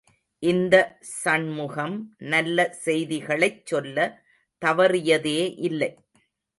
இந்த சண்முகம் நல்ல செய்திகளைச் சொல்ல தவறியதே இல்லை.